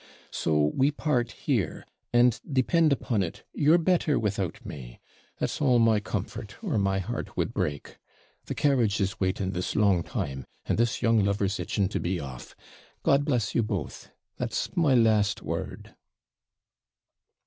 So we part here, and depend upon it you're better without me that's all my comfort, or my heart would break. The carriage is waiting this long time, and this young lover's itching to be off. God bless you both! that's my last word.'